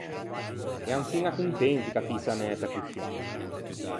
Ean fiña contenti ch’a fïse anæta coscì.